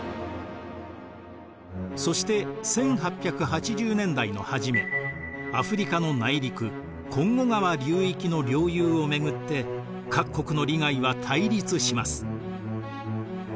そして１８８０年代の初めアフリカの内陸コンゴ川流域の領有を巡って各国の利害は対立します。